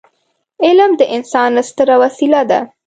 علم د انسان ستره وسيله ده.